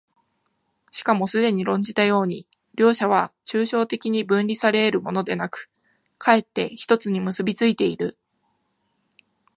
しかもすでに論じたように、両者は抽象的に分離され得るものでなく、却って一つに結び付いている。